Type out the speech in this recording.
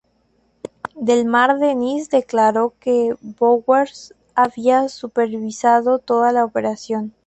Delmar Dennis declaró que Bowers había supervisado toda la operación.